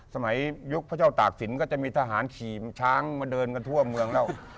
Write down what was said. สมัยยุคเจ้าต่างสินฯก็จะมีทหารฉีช้างมาเดินทัวร์เมืองแล้ว